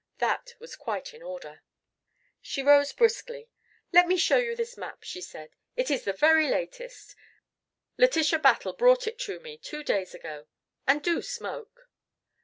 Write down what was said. That was quite in order. She rose briskly. "Let me show you this map," she said. "It is the very latest Letitia Battle brought it to me two days ago. And do smoke."